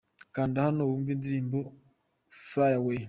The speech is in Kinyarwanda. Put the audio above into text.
Kanda hano wumve indirimbo Fly Away.